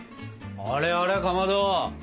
あれあれかまど！